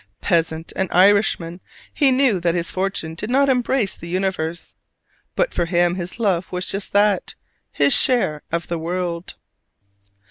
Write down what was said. Peasant and Irishman, he knew that his fortune did not embrace the universe: but for him his love was just that his share of the world.